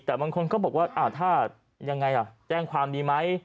แต่บางคนก็บอกว่าถ้ายังไงแจ้งความดีไหม